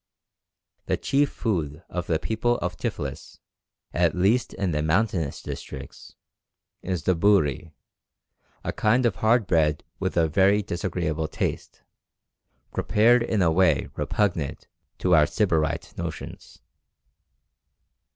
The chief food of the people of Tiflis, at least in the mountainous districts, is the bhouri, a kind of hard bread with a very disagreeable taste, prepared in a way repugnant to our sybarite notions.